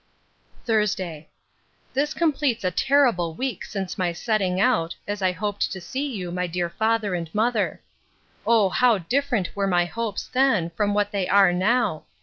Thursday. This completes a terrible week since my setting out, as I hoped to see you, my dear father and mother. O how different were my hopes then, from what they are now!